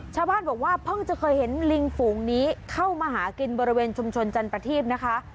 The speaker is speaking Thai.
ชาวบ้านบอกว่าเพิ่งจะเคยเห็นลิงฝูงนี้เข้ามาหากินบริเวณชุมชนจันประทีพนะคะ